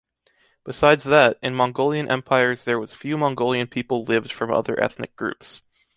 Besides that, in Mongolian empires there was few Mongolian people lived from other ethnic groups.